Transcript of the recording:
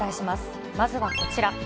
まずはこちら。